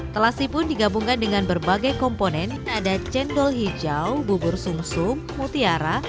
telasi pun digabungkan dengan berbagai komponen ada cendol hijau bubur sum sum mutiara